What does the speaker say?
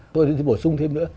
tôi thích bổ sung thêm nữa